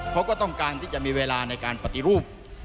เขาก็ต้องการที่จะมีเวลาในการปฏิรูป